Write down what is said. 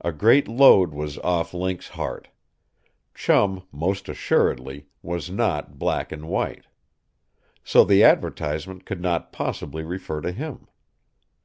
A great load was off Link's heart. Chum, most assuredly, was not black and white. So the advertisement could not possibly refer to him.